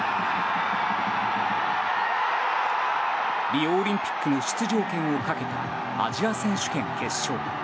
リオオリンピックの出場権をかけたアジア選手権決勝。